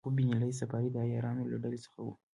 یعقوب بن لیث صفار د عیارانو له ډلې څخه و.